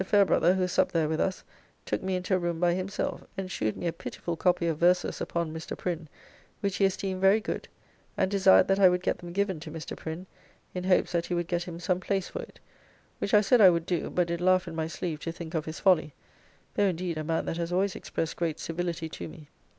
After supper Mr. Fairbrother, who supped there with us, took me into a room by himself, and shewed me a pitiful copy of verses upon Mr. Prinn which he esteemed very good, and desired that I would get them given to Mr. Prinn, in hopes that he would get him some place for it, which I said I would do, but did laugh in my sleeve to think of his folly, though indeed a man that has always expressed great civility to me.